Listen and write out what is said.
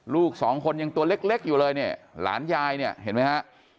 ลูกสองคนยังตัวเล็กอยู่เลยเนี่ยหลานยายเนี่ยเห็นไหมฮะ